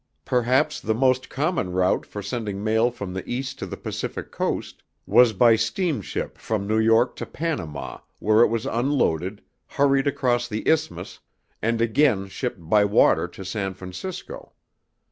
Perhaps the most common route for sending mail from the East to the Pacific Coast was by steamship from New York to Panama where it was unloaded, hurried across the Isthmus, and again shipped by water to San Francisco.